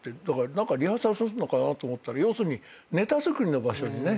何かリハーサルすんのかなと思ったら要するにネタ作りの場所にね行って。